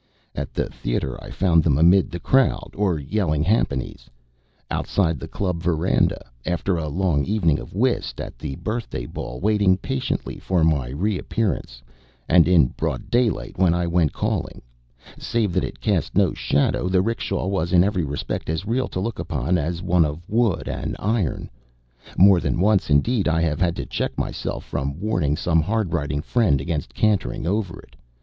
At the Theatre I found them amid the crowd or yelling jhampanies; outside the Club veranda, after a long evening of whist; at the Birthday Ball, waiting patiently for my reappearance; and in broad daylight when I went calling. Save that it cast no shadow, the 'rickshaw was in every respect as real to look upon as one of wood and iron. More than once, indeed, I have had to check myself from warning some hard riding friend against cantering over it.